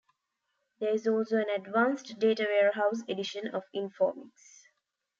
There is also an advanced data warehouse edition of Informix.